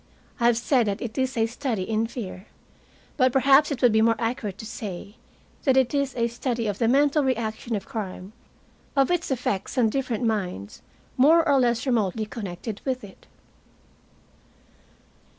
I have said that it is a study in fear, but perhaps it would be more accurate to say that it is a study of the mental reaction of crime, of its effects on different minds, more or less remotely connected with it.